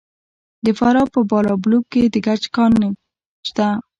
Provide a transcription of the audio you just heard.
د فراه په بالابلوک کې د ګچ کان شته.